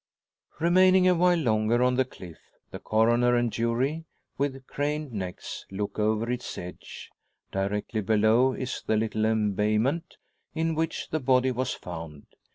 Remaining a while longer on the cliff, the Coroner and jury, with craned necks, look over its edge. Directly below is the little embayment in which the body was found.